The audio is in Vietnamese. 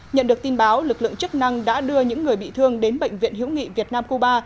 nhận được tin báo lực lượng chức năng đã đưa những người bị thương đến bệnh viện hữu nghị việt nam cuba